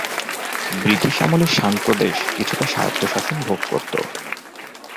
British আমলে Shan প্রদেশ কিছুটা স্বায়ত্তশাসন ভোগ করতো।